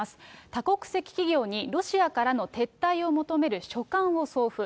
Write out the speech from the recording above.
多国籍企業にロシアからの撤退を求める書簡を送付。